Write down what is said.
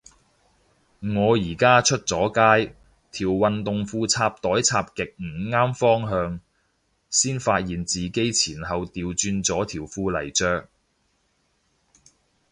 我而家出咗街，條運動褲插袋插極唔啱方向，先發現自己前後掉轉咗條褲嚟着